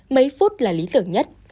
mấy phút là lý tưởng nhất